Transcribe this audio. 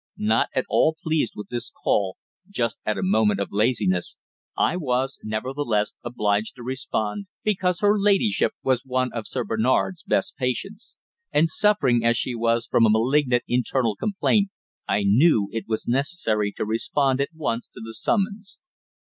Not at all pleased with this call, just at a moment of laziness, I was, nevertheless, obliged to respond, because her ladyship was one of Sir Bernard's best patients; and suffering as she was from a malignant internal complaint, I knew it was necessary to respond at once to the summons.